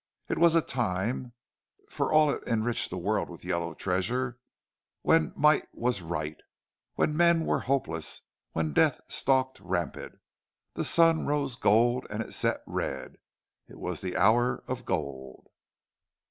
It was a time, for all it enriched the world with yellow treasure, when might was right, when men were hopeless, when death stalked rampant. The sun rose gold and it set red. It was the hour of Gold!